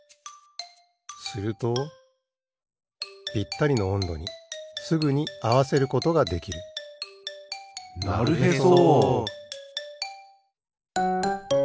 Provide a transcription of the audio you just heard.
するとぴったりのおんどにすぐにあわせることができるなるへそ！